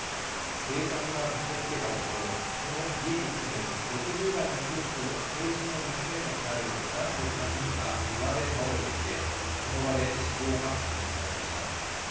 警察が駆けつけたところ、この家に住む６０代の夫婦と成人の娘とみられる男女３人が庭で倒れていて、その場で死亡が確認されました。